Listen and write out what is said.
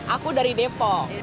aku dari depok